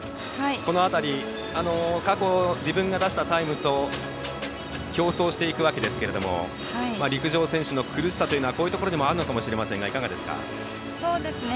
この辺り、過去自分が出したタイムと競争していくわけですが陸上選手の苦しさというのはこういうところにあるのかもしれませんがいかがですか。